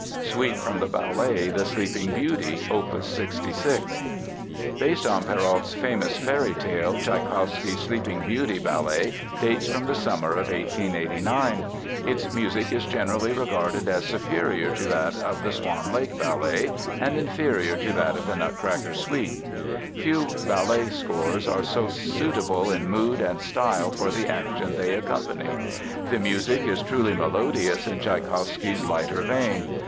SUITE FROM THE BALLET, The Sleeping Beauty, OPUS 66 Based on Perrault's famous fairy tale, Tschaikowsky's Sleeping Beauty ballet dates from the summer of 1889. Its music is generally regarded as superior to that of the Swan Lake ballet and inferior to that of the Nutcracker suite. Few ballet scores are so suitable in mood and style for the action they accompany. The music is truly melodious in Tschaikowsky's lighter vein.